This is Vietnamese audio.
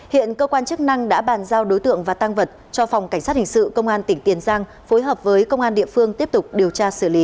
hiện cơ quan chức năng đã bàn giao đối tượng và tăng vật cho phòng cảnh sát hình sự công an tỉnh tiền giang phối hợp với công an địa phương tiếp tục điều tra xử lý